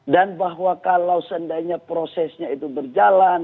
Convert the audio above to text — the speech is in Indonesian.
bahwa kalau seandainya prosesnya itu berjalan